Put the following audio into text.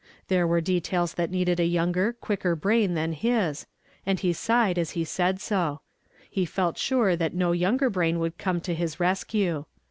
There were details that needed a younger, quicker brain than his, and he sighed as he said so; he felt sure that no younger brain would come to his rescue.